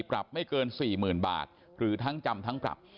ปรับไม่เกิน๔๐๐๐บาทหรือทั้งจำทั้งปรับ